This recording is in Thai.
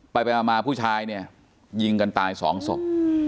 ไปมาผู้ชายเนี่ยยิงกันตายสองศพ